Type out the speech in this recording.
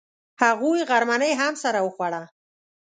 هغوی غرمنۍ هم سره وخوړه.